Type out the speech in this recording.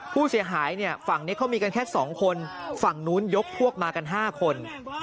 ผู้เสียหายเนี่ยฝั่งนี้เขามีกันแค่๒คนฝั่งนู้นยกพวกมากัน๕คน